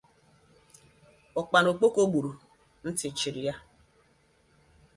Ụkpana okpoko gburu bụ ntị chiri ya.